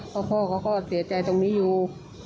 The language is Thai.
เพราะพ่อเขาก็เสียใจตรงนี้อยู่